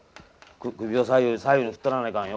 首を左右に振っとらないかんよ。